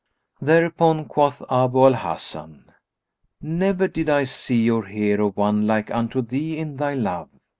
Thereupon quoth Abu al Hasan, "Never did I see or hear of one like unto thee in thy love!